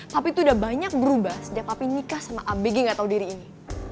papi tuh udah banyak berubah setiap papi nikah sama abg enggak tau diri ini